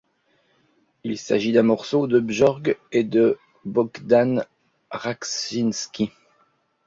Il s'agit d'un morceau de Björk et de Bogdan Raczynski.